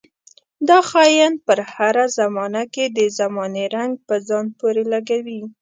دا خاين پر هره زمانه کې د زمانې رنګ په ځان پورې لګوي.